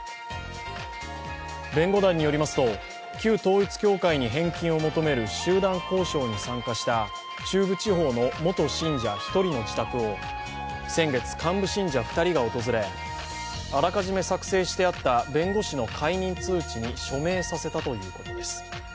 弁護団によりますと旧統一教会に返金を求める集団交渉に参加した中部地方の元信者１人の自宅を先月、幹部信者２人が訪れ、あらかじめ作成してあった弁護士の解任通知に署名させたということです。